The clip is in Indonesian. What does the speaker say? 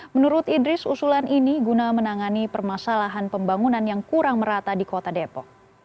menurut idris usulan ini guna menangani permasalahan pembangunan yang kurang merata di kota depok